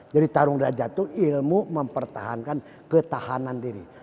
jadi tarung darjah itu ilmu mempertahankan ketahanan diri